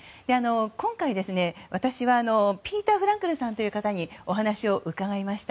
今回、私はピーター・フランクルさんという方にお話を伺いました。